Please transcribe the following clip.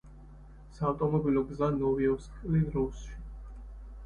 საავტომობილო გზა ნოვი-ოსკოლი—როსოში.